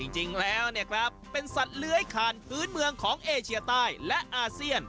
จริงแล้วเป็นสัตว์เลื้อยขานพื้นเมืองของเอเชียใต้และอาเซียน